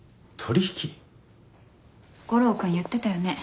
悟郎君言ってたよね？